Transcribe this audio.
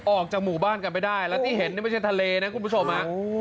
ออกจากหมู่บ้านกันไปได้แล้วที่เห็นนี่ไม่ใช่ทะเลนะคุณผู้ชม